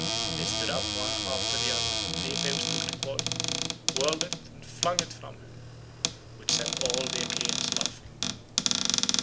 They stood up one after the other and Epeus took the quoit, whirled it, and flung it from him, which set all the Achaeans laughing.